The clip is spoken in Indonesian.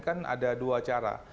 kan ada dua cara